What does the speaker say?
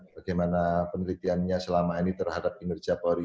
bagaimana penelitiannya selama ini terhadap kinerja polri